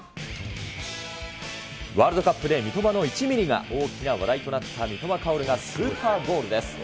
ワールドカップで三笘の１ミリが大きな話題となった三笘薫がスーパーゴールです。